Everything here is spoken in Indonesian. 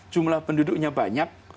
jumlah penduduknya banyak